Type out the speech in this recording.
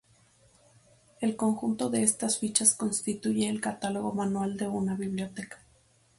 El conjunto de estas fichas constituye el catálogo manual de una biblioteca.